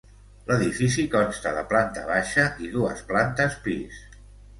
L'edifici consta de planta baixa i dues plantes pis.